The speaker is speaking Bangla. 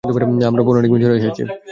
আমরা পৌরাণিক মিশরে এসেছি!